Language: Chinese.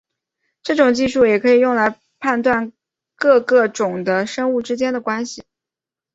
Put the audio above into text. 这种技术也可以用来判断各个种的生物之间的关系。